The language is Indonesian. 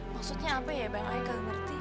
maksudnya apa ya bang ayah gak ngerti